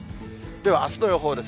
ではあすの予報です。